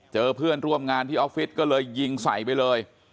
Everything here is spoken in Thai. เพื่อนร่วมงานที่ออฟฟิศก็เลยยิงใส่ไปเลย